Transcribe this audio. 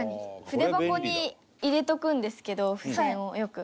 筆箱に入れとくんですけど付箋をよく。